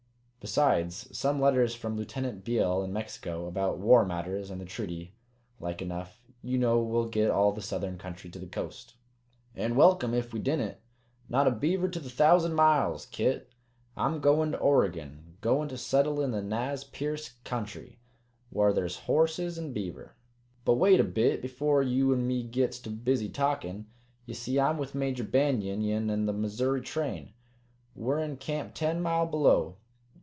Besides, some letters from Lieutenant Beale in Mexico, about war matters and the treaty, like enough. You know, we'll get all the southern country to the Coast?" "An' welcome ef we didn't! Not a beaver to the thousand miles, Kit. I'm goin' to Oregon goin' to settle in the Nez Percé country, whar there's horses an' beaver." "But wait a bit afore you an' me gits too busy talkin'. Ye see, I'm with Major Banion, yan, an' the Missoury train. We're in camp ten mile below.